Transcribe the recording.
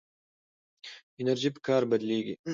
انرژي په کار بدلېږي.